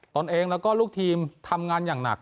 ตนเองแล้วก็ลูกทีมทำงานอย่างหนัก